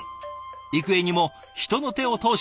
幾重にも人の手を通し